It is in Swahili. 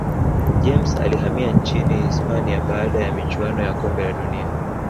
james alihamia nchini hisipania baada ya michuano ya kombe la dunia